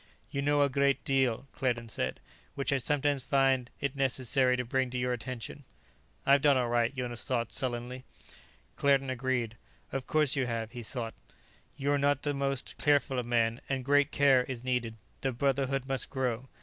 "You know a great deal," Claerten said, "which I sometimes find it necessary to bring to your attention." "I've done all right," Jonas thought sullenly. Claerten agreed. "Of course you have," he thought, "but you're not the most careful of men; and great care is needed. The Brotherhood must grow.